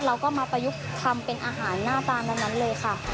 เราก็มาประยุกต์ทำเป็นอาหารหน้าตาวันนั้นเลยค่ะ